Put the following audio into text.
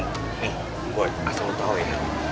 nih boy asal lo tau ya